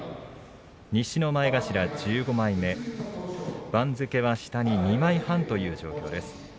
西の前頭１５枚目番付は下に２枚半という状況です。